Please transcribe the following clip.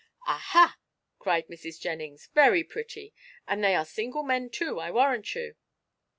"Aha!" cried Mrs. Jennings, "very pretty! And they are single men, too, I warrant you."